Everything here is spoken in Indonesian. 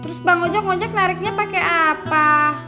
belum bang ojak bang ojak nariknya pakai apa